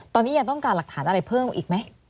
ตอนนี้ยังต้องการหลักฐานอะไรเพิ่มอีกไหม